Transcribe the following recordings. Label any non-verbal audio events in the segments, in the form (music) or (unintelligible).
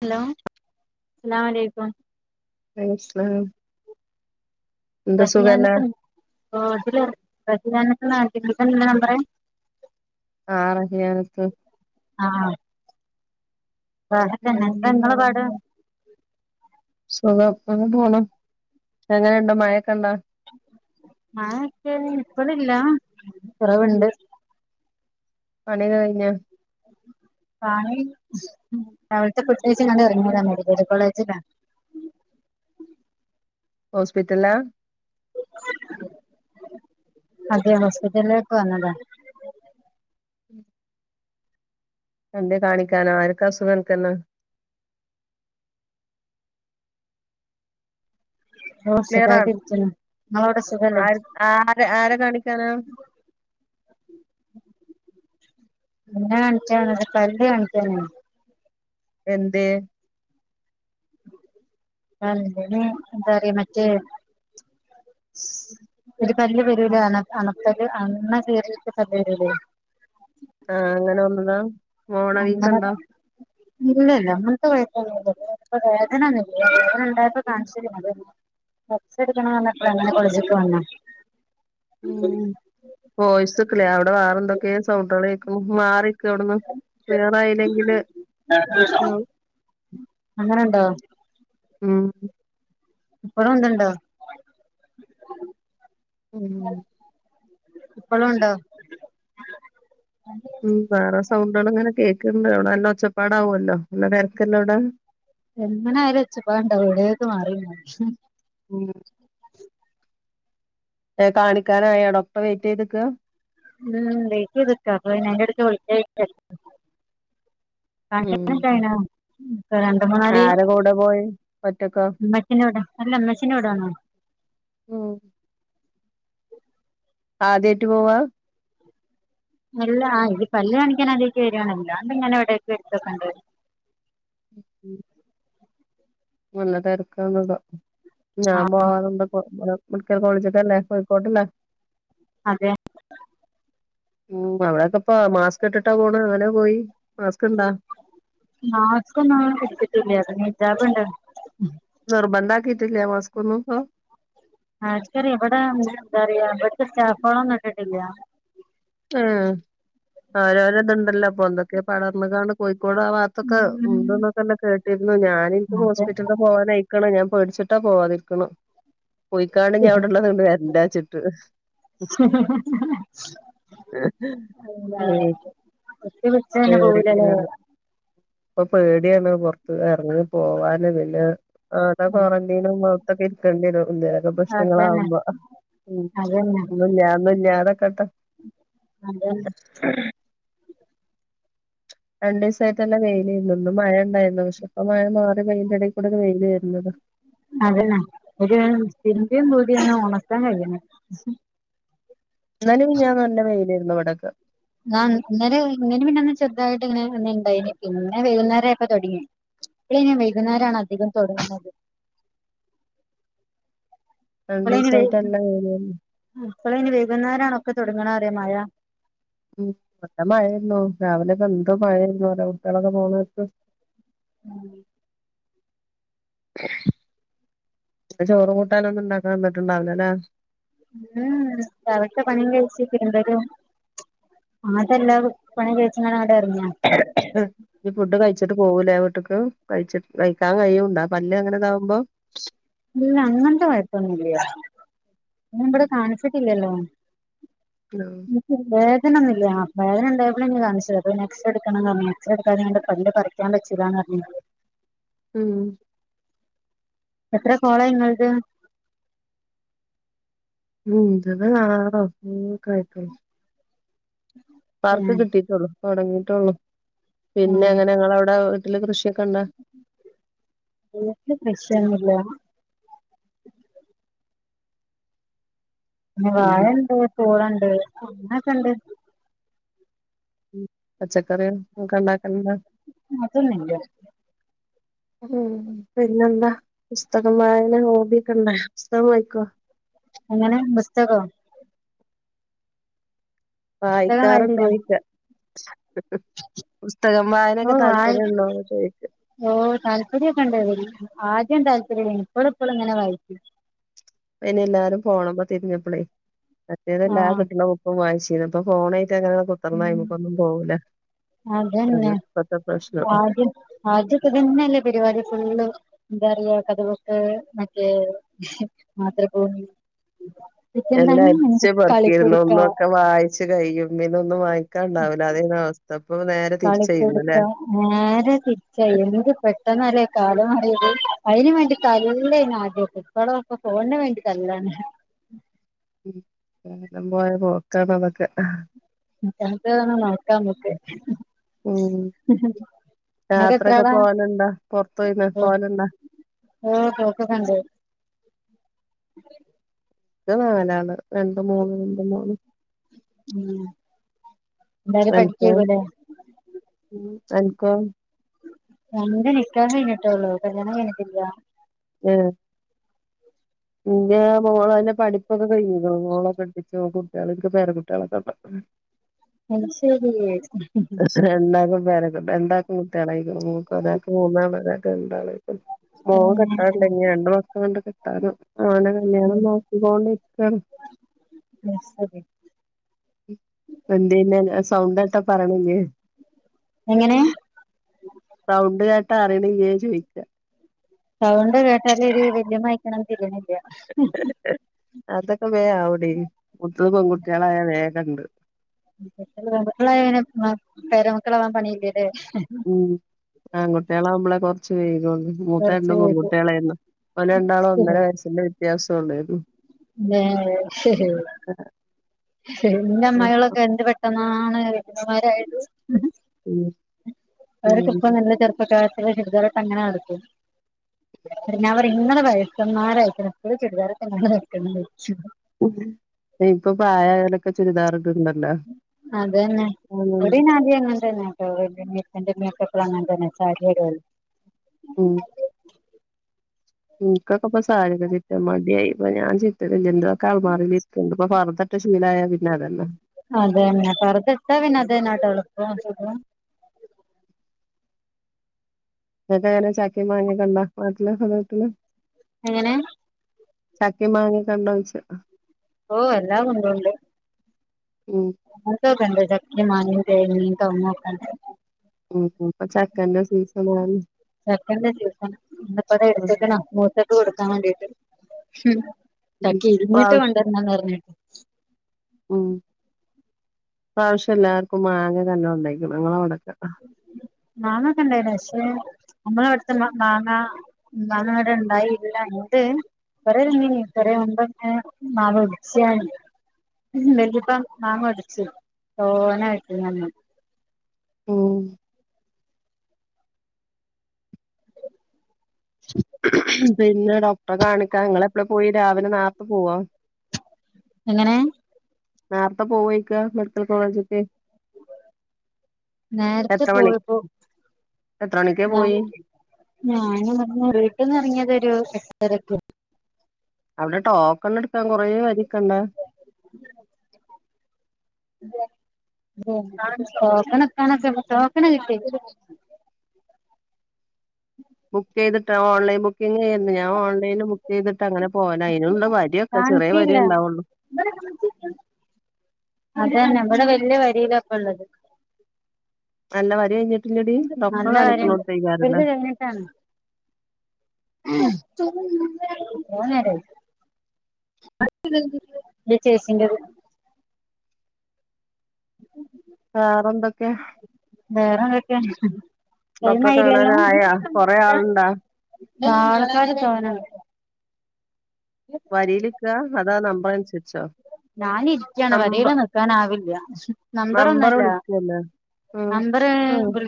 Hello അസലാമു അലൈക്കും. വഅലൈക്കും സലാം റഹിയാനത്ത് അതില് റഹിയാനത്ത് എന്നാ കാണിക്കുന്നത്. ഇതാ നിന്റെ നമ്പർ? ആഹ് റഹിയാനത്ത്. ആഹ് റാഹത്തന്നെ എന്താ ഇങ്ങളെ പാട്? വേറെന്താ? സുഖം ഇങ്ങനെ പോണ്. എങ്ങനെയുണ്ട് മഴയൊക്കെഉണ്ടോ? മഴയൊക്കെ ഇപ്പളില്ല. കുറവുണ്ട്. പണീക്ക കഴിഞ്ഞോ? പണി രാവില ഫുഡ്കയിച്ച് ഇറങ്ങിയതാ മെഡിക്കൽ കോളേജിലാ ഹോസ്പിറ്റലിലാ അതെ ഹോസ്പിറ്റലിപ്പാ വന്നതാ ഉം (unintelligible) എന്തേ കാണിക്കാനോ ആർക്ക അസുഖം അൻക്കന്ന ഓ ക്ലിയറാ സുഖമായിട്ടരികണ് ഇങ്ങളവിടെ സുഖല്ലേ ആര് ആരെ ആരെ കാണിക്കാനാ എൻ്റെ പല്ല് കാണിച്ചാനേനി എന്തെ (unintelligible) ഒരു പല്ല് വരൂലെ അന അനപല്ല് അണ (unintelligible) ആഹ അങ്ങനെ വന്നതാ മോണ അങ്ങനെ വീക്കണ്ടാ ഇല്ലല്ല അങ്ങനത്തെ കുയപ്പം ഒന്നും ഇല്ല ഇപ്പോ വേദന ഇല്ലാ വേദന ഉണ്ടായപ്പോ കാണിച്ചതാ റസ്റ്റ്‌ ഇടക്കണം പറഞ്ഞപ്പോ അങ്ങനെ കോളജ്ക്ക് വന്നാ ഉം വോയിസു ക്ലിയർ അല അവിടെ വേറെ എന്തൊക്കെയ സൗണ്ടാൽ കേൾക്കേണ് മാറി അവിടന്ന് ക്ലിയർ ആയില്ലെങ്കില് പ്രശ്നമാവും അങ്ങനണ്ടോ ആം പ്പളും (unintelligible) ണ്ടോ ഉം എപ്പോളും ഉണ്ടോ ഉം വേറെ സൗണ്ടള് ഇങ്ങനെ കേൾകണ്ട് അവിടെ നല്ല ഒച്ചപാട് ആവുമല്ലോ നല്ല തിരക്കല്ലോടടെ എങ്ങനെയാലും ഉച്ചപ്പാട് ഉണ്ടാവും എവിടെയൊക്ക് മാറിന്നാലും ഉം ഏ കാണിക്കാനായോ ഡോക്ടറെ വെയിറ്റ്യ്ക്കാ ഉം വെയ്റ്റത്ക്കാ പിന്നെ (unintelligible) (unintelligible) രണ്ട് മൂന്നാല് ആരെ കൂടെ പോയി ഒറ്റക്കോ അല്ല ഉമ്മച്ചിടെ വീടാണ് ഉം ആദ്യമായിട്ടു പോവാ അല്ല ആ ഇത് പല്ല് കാണിക്കൻ ആത്യമാ യിട്ട് വരാന്നല്ലോ അന്ന് ഇവിടെ എടുത്തുന്നുണ്ട് ഉം നല്ല തെരക്കാണ് ഞാൻ ആ പോവാറുണ്ട് മെഡിക്കൽ കോളേജിലാ കോയിക്കോട്ട്ലാ അതെ ഉ അവിടെക്കെപ്പ മാസ്ക് ഇട്ടിട്ടാ പോണ് അങ്ങനെ പോയി മാസ്ക് ഇണ്ടാ മസ്കെന്നും എടുത്തിട്ടില്ല ഇജാബ്ഉണ്ട് നിർബന്ധംമാകീട്ട് മാസ്ക്കൊന്നും പോ ആർക്കറിയാ ഇവിടെ എന്താറിയ ഇവിടത്തെ സ്റ്റാഫോളൊന്നും ഇട്ടിട്ടില്ല ഓരോര ഇതുണ്ടല്ലോ അപ്പൊന്തൊക്കെ പടർന്ന് കാണ്ട് കോഴിക്കോട് ആ വാകത്തൊക്കെ ഉണ്ടന്നൊക്കെ കേട്ടിരുന്നു ഞാനി അതെ ഹോസ്പിറ്റല പോവാനായിക്കന് ഞാൻ പേടിച്ചിട്ടാ പോവാതിരിക്കന് പോയികാണ്ട് അവിടെഉള്ളത് ഇങ്ങട്ട് വരണ്ടാച്ചിട്ട് (unintelligible) പേടിയാണ് (unintelligible) ഇപ്പൊ പേടിയാണ് പുറത്ത് ഇറങ്ങി പോവാന് പിന്നെ അതാ ക്വാറന്റീന് (unintelligible) ഇരിക്കേണ്ടി വരും ലെ അതന്നെ പ്രശ്നങ്ങളാവുമ്പോ ഒന്നൂല്യ ഒന്നൂല്യതിരിക്കട്ടെ അതെ (unintelligible) രണ്ടിസായിട്ട് നല്ല വെയിലേന്നു ഇന്നു മഴ ഇണ്ടായിരുന്നു പക്ഷേ ഇപ്പം മഴ മാറി അതിന്റെ എടിക്കുടെക്കെ വെയിൽവര്ന്ന്താ അതനെ ഒരു തിരുമ്പിംകൂടിയൊന്ന് ണക്കാൻ കഴിയണില്ല ഇന്നലെ മിഞ്ഞാന്നി നല്ല വെയിലിരുന്നു ഇവിടക്കെ ആഹ് ഇന്നലെ ഇങ്ങനെ ഇന്നലെ പിന്നെ ചെറുതായിട്ട് ഇങ്ങനെ ഇണ്ടായിനീ പിന്നെ വൈകുന്നേരായപ്പം തൊടങ്ങി ഇവിടെ വൈകുന്നേരാണ് അധികം തൊടങ്ങ്ണത് രണ്ട്സായിട്ട് നല്ല വെയിലായിരുന്നു ഇപ്പളൈൻ വൈകുന്നേരിണൊക്കെ തൊടങ്ങണ മഴ ഉംനല്ല മഴയായിരുന്നു രാവിലെയൊക്കെ എന്ത് മഴായിരുന്നു കുട്ട്യാളൊക്കെ പോണനേരത്ത് ഉം (unintelligible) ഇന്ന് ചോറും കൂട്ടാനൊന്നുണ്ടാക്കൻ നിന്നിട്ടണ്ടാവില്ലല്ലേ ഉം രാവില്ത്തെ പണികഴച്ച് തിരുബലും ആദ്യല്ല പണി കൈച്ച്ങ്ങാണ്ട് ആണ്ട് എറങ്ങ (unintelligible) ഈ ഫുഡ് കഴിച്ചിട്ട് പോകൂലേ വീട്ട്ക്ക് കഴിച്ചി കഴിച്ചാൻ കഴിയുണ്ടാ പല്ല് അങ്ങനെ ഇതാവുമ്പോ ഇല്ല അങ്ങനത്തെ കൊയപ്പോന്നൂല്യ പിന്നെ ഇവിടെ കാണിച്ചിട്ടില്ലല്ലോ ഹെലൊ വേദനയൊന്നുല്ല ആഹ് വേദന ഇണ്ടായപ്പളെന്നെ കാണിച്ചെ അപ്പ പിന്നെഎക്സ്റേ ഇട്ക്കണം പറഞ്ഞ് എക്സറ എടുക്കാഞാണ്ട് പല്ല് പറിക്ക ക്കാൻ പറ്റൂലാന്ന് പറഞ്ഞ് ഉം എത്ര കോളയി നിങ്ങളത് ഇന്റേത് ആറോ ഏയോ ഒക്കെ ആയിക്ക്ണ് വർക്ക് ഏഹ് കിട്ടീട്ടൊള്ളു തൊടങ്ങിയിട്ടൊള്ളു പിന്നെ അങ്ങനെ ഇങ്ങളവിടെ വീട്ടില് കൃഷിയൊക്കെണ്ടൊ വീടിൽ കൃഷി ഒന്നും ഇല്ല പിന്നെ വാഴ ഇണ്ട് പൂളണ്ട് അനൊക്കെണ്ട് ഉം പച്ചക്കറിഒക്കെ ഇണ്ടാക്കൽ ഉണ്ടോ അതൊന്നുല്ല ഉം പിന്നെന്താ പുസ്തകം വായന ഹോബി ഒക്കെ ണ്ടൊ പുസ്തകം വായിക്കൊ എങ്ങനെ പുസ്തകൊ പുസ്തകം വായിക്കാണ് വായിക്കാറുണ്ടോയിച്ച പുസ്തകം ഓ വായനൊക്കെ വായി താല്പര്യംണ്ടോ ചോയിക്ക ഓ താല്പര്യംക്കെണ്ട് വ ആദ്യം താല്പര്യല്ലേനി ഇപ്പള് ഇപ്പള് ഇങ്ങനെ വായിക്കു ഇപ്പയിൻ എല്ലാരും ഫോൺമ്മേ തിരിഞ്ഞപ്പളേ മറ്റേത് എല്ലാ ആഹ് കിട്ടണ ബു ക്കും വായിച്ചീനി ഇപ്പ ഫോണ് ആയിട്ടങ്ങനെ കു ത്തർന്നാല് ഉം നായ്മക്കൊന്നും പോകൂല അതാ ഇപ്പത്തെ പ്രശ്നം ആദ്യൊക്കെ ഇതന്നെ അല്ലെ പരിപാടി ഫുള്ളു യെന്തറിയ കഥ ബുക്ക്‌ മാധ്ർഭൂമി എല്ലാം അരിച്ച് പെറുക്കിയിരുന്നു അന്നൊക്കെ വായി ച്ച് കഴിയും പിന്നെ ഒന്നും വായികാണ്ടാവൂല അതേന്നു അവസ്ഥ ഇപ്പം നേ കളികുടുക്ക നേരെ തിരിച്ചായി എത്ന്ര് പെട്ടെന്നല്ലേ കാലം മറിയത് അതിനന് വേണ്ടി തല്ലേനി ആദ്യൊക്കെ ഇവിടെ ഇപ്പ ഫോണിന് വേണ്ടി തല്ലാണ് ഉം കാലം പോയ പോക്കാ ണതൊക്കെ തന്നത നോക്കാമ്മക്ക് യാത്രക്കെ പോവല്ണ്ടാ പൊറത്ത പോയിന പോവല്ണ്ടാ ആഹ് പോക്കൊക്കെണ്ട് നാലാള് രണ്ട് മൂന്ന് രണ്ട് മൂന്ന് ഉം എന്തായാലും അൻക്കോ? പഠിക്കേക്കുല്ലേ അൻക്കോ? എന്റെ നികാഹ് കഴിഞ്ഞിട്ടൊള്ളൂ കല്യാണം കഴിഞിട്ടില്ല ഏഹേ ഇന്റെ മോളനെ പഠിപ്പൊക്കെ കയ്ഞ്ഞ്ക്ണു മോളെ കെട്ടിച്ച് ഓകുട്ട്യാളി ഇൻക് പേര കുട്ട്യാളൊക്കണ്ട്. അത് ശെരി. രണ്ടാക്കും പേരക്ക് രണ്ടാക്കും കുട്ട്യാളയ്ക്ണ്, ക് ഒരാക്ക് മൂന്നാള് ഒരാക് രണ്ടാളയ്ക്ക്ണ്. മോ കെട്ടാണ്ട്ഞ്ഞ് രണ്ട് മക്കള്ണ്ട് കെട്ടാന്, മോന്റെ കല്യാണം നോക്കികോണ്ടിര്ക്കാണ്. അഹ്സെരി എന്ത്യെന്നെ സൗണ്ടേട്ടാ പറിണ്ല്ലേ? എങ്ങനെ? സൗണ്ട് കേട്ടാ അറിണില്ല്യാ ചോയ്ക്ക. സൗണ്ട് കേട്ടാലൊര് വല്ലിമ്മയ്ക്ക്ണ് തിരിണില്ല. അതൊക്കെ വേം അവൊടി, കുട്ട്യള് പെൺകുട്ട്യാളായ വേകെണ്ട്. പെങ്കുട്ടിയളായ പിന പേരമക്കളാവാൻ പണില്ലലെ. മ് ആങ്കുട്ട്യാളാവുമ്പളെ കൊറ്ച്ച് വെയ്കൊള്ളു കുറച്ച് മൂത്തണ്ടും ഇത് പെങ്കുട്ട്യാളേയ്ന്നു ഓലണ്ടാളും ഒന്നര വയസിന്റെ വ്യത്യാസൊള്ളായര്ന്ന് ങ്ങ്ഹേ ന്റെ അമ്മായാളൊക്കെന്ത് പെട്ടെന്നാണ് വല്യമ്മമാരായത് ഉം ഓരക്കപ്പ നല്ല ചെർപ്പകാര്ത്ത്യാള്, ചുര്താറ്ട്ടക്കെങ്ങനെ നടക്കും. ഞാ പറ്യു ങ്ങള് വയസ്സമ്മാരയ്ക്ക്ണ്, പ്പളും ചുര്ദാറ്ട്ട്ങ്ങനെ നടക്കാണ്. ഇപ്പ പ്രായായോലൊക്കെ ചുരിദാറ്ട് ണ്ടല്ലോ? അതെന്നെ, ഇവടിനാദ്യങ്ങൻതന്നെ. (unintelligible) മ് ഇൻകൊക്കെപ്പം സാര്യൊക്കെ ചിറ്റാൻ മടിയായി. ഇപ്പ ഞാൻ ചിറ്റലില്ല, ന്റതൊക്കെ ആൽമാറീലിര്ക്ക്ണ്ട്. ഇപ്പ ഫർതട്ട് ശീലായ പിന്നതെന്നെ. അതെന്നെ, പർതട്ടാപിന്നെ അതെന്നെടെളെളു എൾപം സുഖും. ഇങ്ങക്കെങ്ങനാ ചാക്കിം മാങ്ങൊക്കണ്ട നാട്ട്ല് ങ്ങ വ്ട്ട്ല്? എങ്ങനെ? ചക്കിം, മാങ്ങിക്കൊണ്ടോയ്ച്ച. ഓ എല്ലാം കുന്തൂണ്ട് മ് അങ്ങൻതൊക്കണ്ട്, ചക്കിം, മാങ്ങിം, തേങ്ങിം, കൗങ്ങൊക്കണ്ട്. മ് മ് ഇപ്പ ചക്കന്റെ സീസണാണ്. ചക്കന്റെ സീസൺ ന്ന്പതെട്ത്ക്ണാ മൂത്ത കൊട്ക്കാമാണ്ടീട്ട്, മ്ഹ് ചക്ക ഇര്ഞ്ഞിട്ട് ഇപ്രാവശ്യം കൊണ്ടൊര്ണംന്നറ്ഞ്ഞ്ണ്. മ് ഇപ്രാവ്ശ്യം എല്ലാർക്കും മാങ്ങക്കെ നല്ലോം ണ്ടായ്ക്ക്ണ് ഇങ്ങളവ്ടക്കണ്ടോ? മാങ്ങക്കെണ്ടായിന് പക്ഷെ നമ്മളെവട്ത്ത മാങ്ങ മാങ്ങ വടെ ണ്ടായീല്ല, ണ്ട്. കൊറേ തിന്നീനി കൊറേ മുമ്പൊക്കെ മാവൊട്ച്ചാഞ്ഞി വല്ല്യപ്പ മാങ്ങൊട്ച്ച് തോനെ കിട്ടീനന്ന് മ് (inaudible) പിന്നെ ഡോക്ടറെ കാണിക്കാ ഇങ്ങളെപ്പെളെ പോയി, രാവിലെ നാർത്ത പോവോ? എങ്ങനെ? നേർത്തെ പോവോയ്ക്ക മെഡിക്കൽകോളേജ്ക്ക്? നേര്ത്തെ എത്ര മണി പോയ് പ്പൊ എത്ര മണിക്കാ ന പോയി ഞാൻ ർഞ്ഞ, വീട്ട്ന്നെർങ്ങ്യെതൊരു എട്ടരക്ക്. അവ്ടെ ടോക്കണ് ട്ക്കാൻ കൊറേ വരിക്കണ്ടേ? ട്ടോക്കണ് ട്കാനൊക്കെ, ട്ടൊക്കണ് ട്ടി. ബുക്കെയ്തിട്ട ഓൺലൈൻ ബുക്കിങ്ങേര്ന്ന്, ഞാ ഓൺലൈന് ബുക്കെയ്തിട്ടങ്ങനെ പോവലാ. അയ്നുണ്ട് വ ക്ക ചെറിയ വരിയെ ണ്ടാവുള്ളു അതാണ് നമ്മള് വല്ല്യെ വരിയിലാപ്പള്ളത് നല്ല വരിഴ്ഞ് നല്ല വെരാണ് വെറുത കഴിഞ്ഞിട്ടാണ് (unintelligible) ലെ ചേച്ചിന്റെത് വേറെ ന്തൊക്കെ വേറെന്തൊക്കെ ഡോക്ടറെ ടൈമായില്ലല്ലോ കാണാനായാ കൊറേ ആളുണ്ടാ ആള്ക്കാര് തോനണ്ട് വരിയ്ല്ക്കാ അതോ നമ്പറൻസര്ച്ചോ ഞാനിര്ക്കാണ് വരീലൊന്നും നിക്കാനാവില്ല നമ്പറ നമ്പർ ന്നൊല്ല വിളിക്കല്ലേ ഉം നമ്പറ് ഉം വി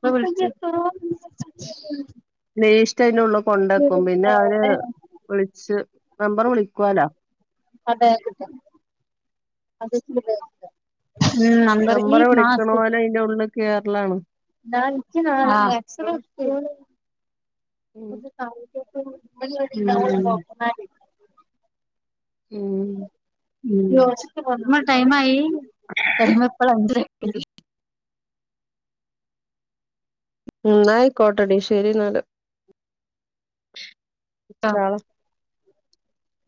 പ്പം വിൾ ലീസ്റ്റ് അയ്ന്റുള്ള് കൊണ്ടക്കും പിന്നെ അവര് വിളിച്ച് നമ്പർ വിളിക്കുവാലോ (unintelligible) ഉം നമ്പർലി മാസ്ക് ന്റെ ഉള്ള്ക്ക്‌ കേറലാണ് (unintelligible) ഉം ഉം ഉം ങ്ങടൈമായി ടൈമ പ്പളാ (unintelligible) ന്നായിക്കോട്ടടിശരി ന്നാല്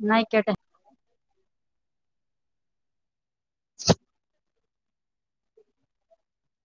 ന്നായ്ക്കോട്ടെ (inaudible)